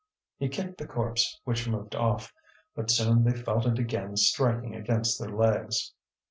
He kicked the corpse, which moved off. But soon they felt it again striking against their legs.